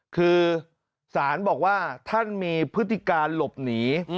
คือสารบอกว่าท่านมีพฤติการหลบหนี